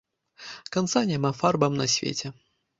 Канца няма фарбам на свеце.